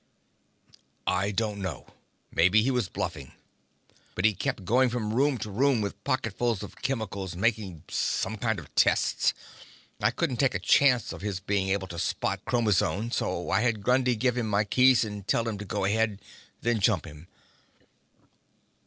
"I don't know. Maybe he was bluffing. But he kept going from room to room with a pocketful of chemicals, making some kind of tests. I couldn't take a chance on his being able to spot chromazone. So I had Grundy give him my keys and tell him to go ahead then jump him."